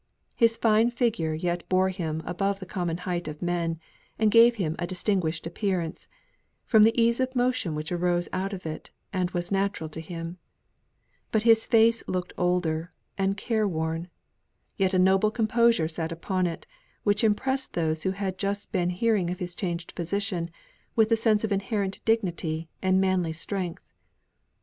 His fine figure yet bore him above the common height of men; and gave him a distinguished appearance, from the ease of motion which arose out of it, and was natural to him; but his face looked older and careworn; yet a noble composure sate upon it, which impressed those who had just been hearing of his changed position, with a sense of inherent dignity and manly strength.